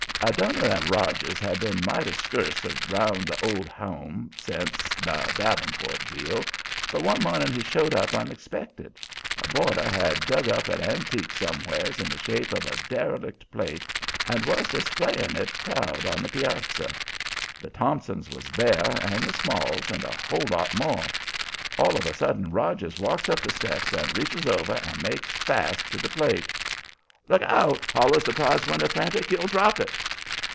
Adoniram Rogers had been mighty scurce 'round the Old Home sense the davenport deal. But one morning he showed up unexpected. A boarder had dug up an antique somewheres in the shape of a derelict plate, and was displaying it proud on the piazza. The Thompsons was there and the Smalls and a whole lot more. All of a sudden Rogers walks up the steps and reaches over and makes fast to the plate. "Look out!" hollers the prize winner, frantic. "You'll drop it!"